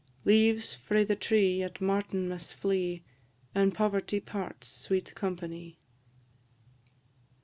Leaves frae the tree at Martinmas flee, And poverty parts sweet companie.